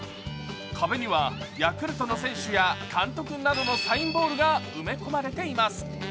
壁にはヤクルトの選手や監督などのサインボールが埋め込まれています。